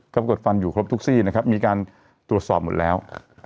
ปรากฏฟันอยู่ครบทุกซี่นะครับมีการตรวจสอบหมดแล้ว